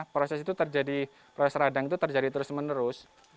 proses itu terjadi proses radang itu terjadi terus menerus